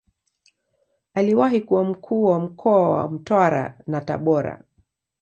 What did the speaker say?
Aliwahi kuwa Mkuu wa mkoa wa Mtwara na Tabora.